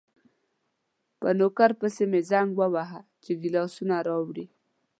په نوکر پسې مې زنګ وواهه چې ګیلاسونه راوړي.